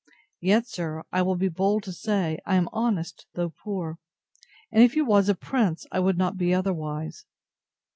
Yet, sir, I will be bold to say, I am honest, though poor: and if you was a prince, I would not be otherwise.